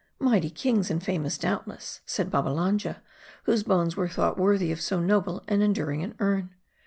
" Mighty kings, and famous, doubtless," said Babbalanja, " whose bones were thought worthy of so noble and enduring an urn.